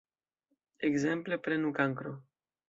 Ekzemple, prenu Kankro.